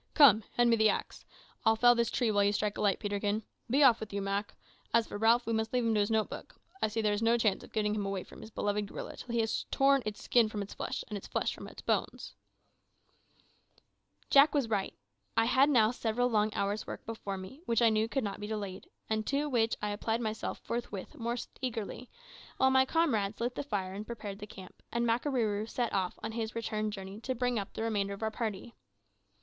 "Come, hand me the axe. I'll fell this tree while you strike a light, Peterkin. Be off with you, Mak. As for Ralph, we must leave him to his note book; I see there is no chance of getting him away from his beloved gorilla till he has torn its skin from its flesh, and its flesh from its bones." Jack was right. I had now several long hours' work before me, which I knew could not be delayed, and to which I applied myself forthwith most eagerly, while my comrades lit the fire and prepared the camp, and Makarooroo set off on his return journey to bring up the remainder of our party.